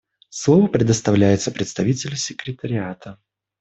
Слово предоставляется представителю Секретариата.